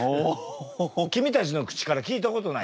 君たちの口から聞いたことないよ。